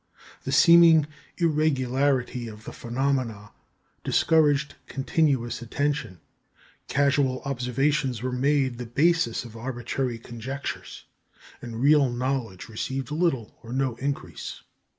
The seeming irregularity of the phenomena discouraged continuous attention; casual observations were made the basis of arbitrary conjectures, and real knowledge received little or no increase.